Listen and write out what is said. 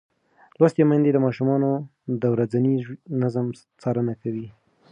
لوستې میندې د ماشومانو د ورځني نظم څارنه کوي.